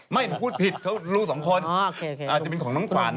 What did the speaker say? หนูพูดผิดเขาลูกสองคนอาจจะเป็นของน้องขวัญ